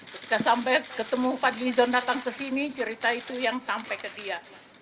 ketika sampai ketemu fadlizon datang ke sini cerita itu yang sampai ke dia